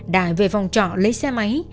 đài về phòng trọ lấy xe máy